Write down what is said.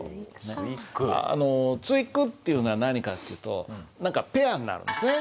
あの対句っていうのは何かっていうとペアになるんですね。